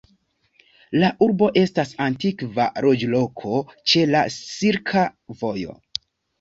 La urbo estas antikva loĝloko ĉe la Silka Vojo.